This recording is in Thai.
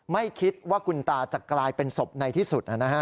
ไม่คิดว่าคุณตาจะกลายเป็นศพในที่สุด